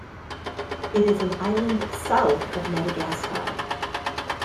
It is an island south of Madagascar.